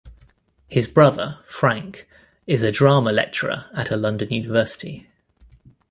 His brother, Frank, is a drama lecturer at a London university.